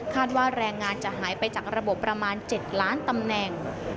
ว่าแรงงานจะหายไปจากระบบประมาณ๗ล้านตำแหน่ง